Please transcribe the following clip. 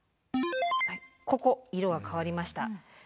ここ色が変わりました。